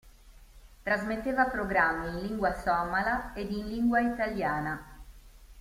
Trasmetteva programmi in lingua somala ed in lingua italiana.